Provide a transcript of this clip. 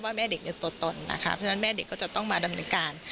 เพราะฉะนั้นแม่เด็กก็จะต้องมาดำเนินการ